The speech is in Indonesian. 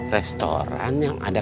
restoran yang ada